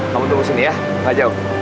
kamu tunggu sini ya gakjauh